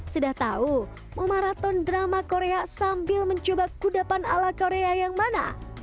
sudah tahu mau maraton drama korea sambil mencoba kuda panggang ala korea yang mana